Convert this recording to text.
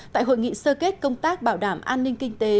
tại hội nghị sơ kết công tác bảo đảm an ninh kinh tế